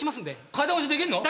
階段落ちできんの？